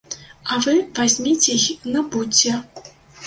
А вы вазьміце й набудзьце.